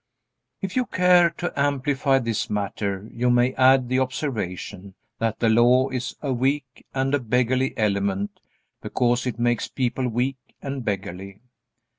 If you care to amplify this matter you may add the observation that the Law is a weak and beggarly element because it makes people weak and beggarly.